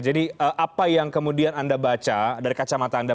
jadi apa yang kemudian anda baca dari kacamata anda